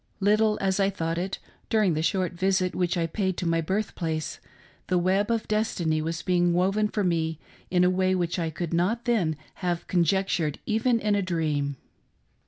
Little as I thought it, during the short visit which I paid to my birthplace, the web of destiny was being woven for me in a way which I could not then have conjec tured even in a dream.